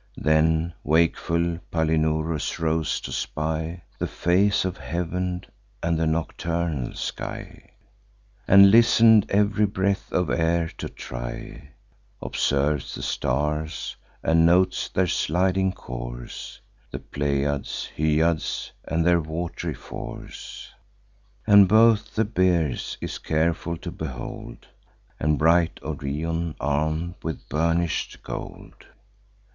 Then wakeful Palinurus rose, to spy The face of heav'n, and the nocturnal sky; And listen'd ev'ry breath of air to try; Observes the stars, and notes their sliding course, The Pleiads, Hyads, and their wat'ry force; And both the Bears is careful to behold, And bright Orion, arm'd with burnish'd gold.